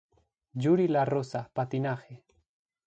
Yuri La Rosa, Patinaje.